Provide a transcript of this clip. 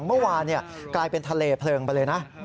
เมื่อวานกลายเป็นทะเลเพลิงไปเลยนะ